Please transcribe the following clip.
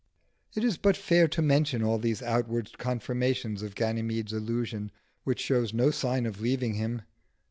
It is but fair to mention all these outward confirmations of Ganymede's illusion, which shows no signs of leaving him.